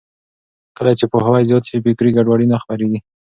کله چې پوهاوی زیات شي، فکري ګډوډي نه خپرېږي.